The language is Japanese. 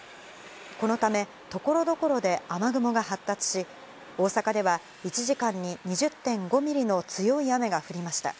このため、ところどころで雨雲が発達し、大阪では１時間に２０．５ミリの強い雨が降りました。